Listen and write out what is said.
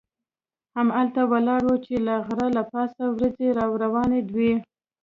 همالته ولاړ وم چې د غره له پاسه وریځې را روانې وې.